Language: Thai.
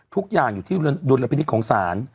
ทุกอย่างอยู่ที่ดวงราบินิทของสาร